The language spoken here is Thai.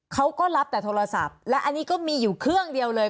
เขาก็รับแต่โทรศัพท์และอันนี้ก็มีอยู่เครื่องเดียวเลย